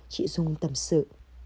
chị dung tâm sự